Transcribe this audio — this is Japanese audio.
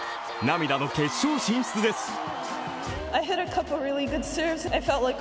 涙の決勝進出です。